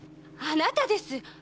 あなたです。